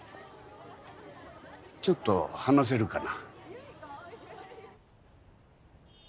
ちょっと話せるかな？